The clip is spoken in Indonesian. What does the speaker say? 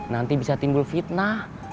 nanti bisa timbul fitnah